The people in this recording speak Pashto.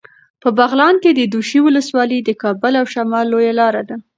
په بغلان کې د دوشي ولسوالي د کابل او شمال لویه لاره ده.